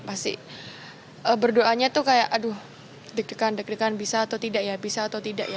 pasti berdoanya tuh kayak aduh deg degan bisa atau tidak ya